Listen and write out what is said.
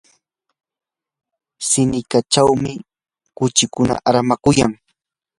siniqachawmi kuchikuna armakuyan.